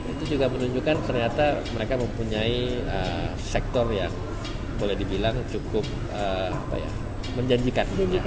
itu juga menunjukkan ternyata mereka mempunyai sektor yang boleh dibilang cukup menjanjikan